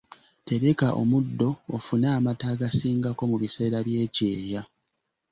Tereka omuddo ofune amata agasingako mu biseera by’ekyeya